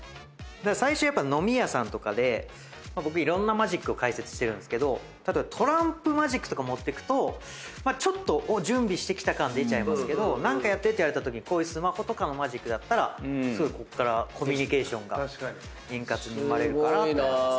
最初やっぱ飲み屋さんとかで僕いろんなマジックを解説してるんですけど例えばトランプマジックとか持っていくとちょっと準備してきた感出ちゃいますけど何かやってって言われたときにスマホとかのマジックだったらすぐこっからコミュニケーションが円滑に生まれるかなと思います。